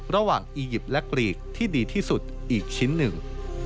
อียิปต์และกรีกที่ดีที่สุดอีกชิ้นหนึ่ง